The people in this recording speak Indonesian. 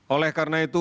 oleh karena itu